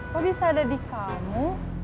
kok bisa ada di kamu